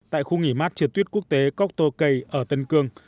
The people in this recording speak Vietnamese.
tại khu nghỉ mát trượt tuyết quốc tế cóc tô cây ở tân cương